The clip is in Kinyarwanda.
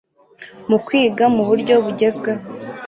mu kwiga mu buryo bugezweho